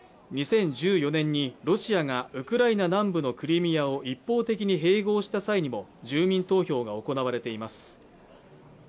２０１４年にロシアがウクライナ南部のクリミアを一方的に併合した際にも住民投票が行われています。